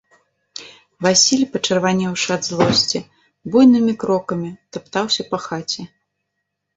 Васіль, пачырванеўшы ад злосці, буйнымі крокамі таптаўся па хаце.